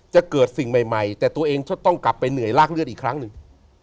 จะเกิดสิ่งใหม่แต่ตัวเองจะต้องกลับไปเหนื่อยลากเลือดอีกครั้งหนึ่ง